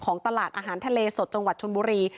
ตลาดอาหารทะเลสดจังหวัดชนบุรี